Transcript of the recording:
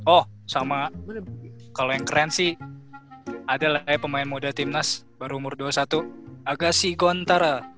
oh sama kalo yang keren sih ada pemain moda timnas berumur dua puluh satu agassi gontara